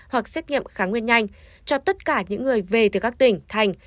hoặc xét nghiệm kháng nguyên nhanh cho tất cả những người về từ các tỉnh thành